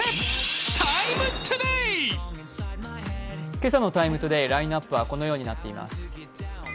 今朝の「ＴＩＭＥ，ＴＯＤＡＹ」ラインナップはこのようになっています。